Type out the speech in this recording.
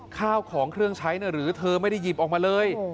ข้าวของเครื่องใช้หรือเธอไม่ได้หยิบออกมาเลย